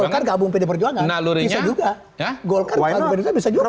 atau golkar gabung pdi perjuangan bisa juga golkar gabung pdi perjuangan bisa juga